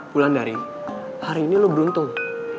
bulan dari hari ini lu beruntung